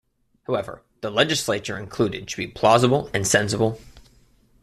However, the legislature included should be plausible and sensible.